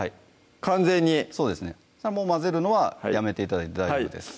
完全にそうですね混ぜるのはやめて頂いて大丈夫です